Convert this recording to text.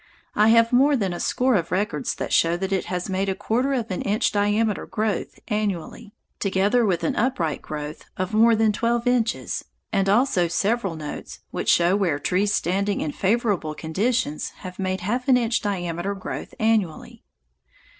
I have more than a score of records that show that it has made a quarter of an inch diameter growth annually, together with an upright growth of more than twelve inches, and also several notes which show where trees standing in favorable conditions have made half an inch diameter growth annually.